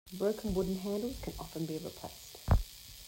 Broken wooden handles can often be replaced.